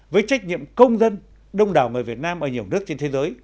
với trách nhiệm công dân đông đảo người việt nam ở nhiều nước trên thế giới